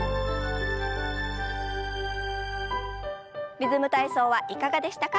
「リズム体操」はいかがでしたか？